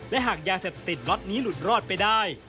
และหากยาเสพติดล็อตนี้หลุดรอดไปได้